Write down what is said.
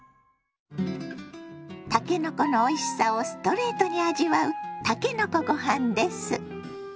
たけのこのおいしさをストレートに味わうたけのこご飯です。